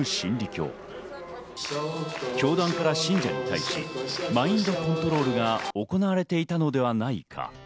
教団から信者に対し、マインドコントロールが行われていたのではないか。